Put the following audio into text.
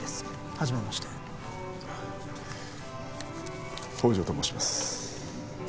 初めまして宝条と申します